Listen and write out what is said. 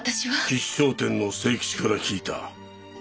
吉祥天の清吉から聞いた。